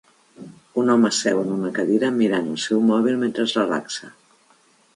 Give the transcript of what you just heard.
Un home seu en una cadira, mirant el seu mòbil mentre es relaxa.